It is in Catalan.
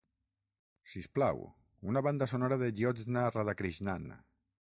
Sisplau, una banda sonora de Jyotsna Radhakrishnan